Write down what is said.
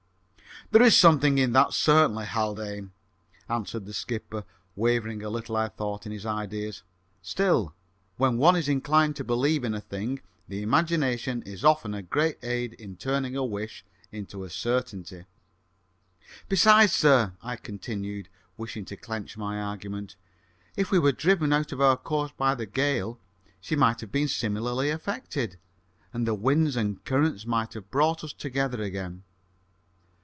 "There is something in that, certainly, Haldane," answered the skipper, wavering a little, I thought, in his ideas. "Still, when one is inclined to believe in a thing, the imagination is often a great aid in turning a wish into a certainty." "Besides, sir," I continued, wishing to clench my argument, "if we were driven out of our course by the gale, she might have been similarly affected, and the winds and currents might have brought us together again."